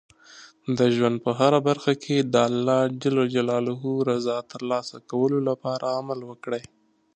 د ژوند په هره برخه کې د الله رضا ترلاسه کولو لپاره عمل وکړئ.